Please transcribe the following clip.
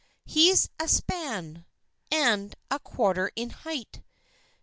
He's a span And a quarter in height.